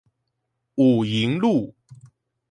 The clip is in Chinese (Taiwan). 武營路